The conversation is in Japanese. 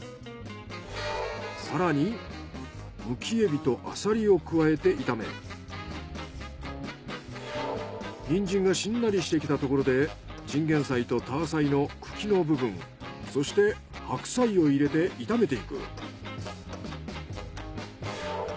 更にむきエビとアサリを加えて炒めニンジンがしんなりしてきたところでチンゲンサイとターサイの茎の部分そして白菜を入れて炒めていく。